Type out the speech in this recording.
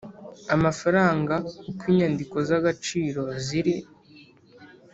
amafaranga uko inyandiko z agaciro ziri